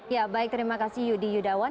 ya baik terima kasih yudi yudawan